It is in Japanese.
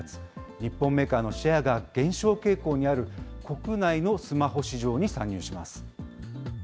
日本メーカーのシェアが減少傾向にある国内のスマホ市場に参入します。